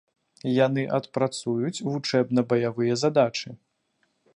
Яны адпрацуюць вучэбна-баявыя задачы.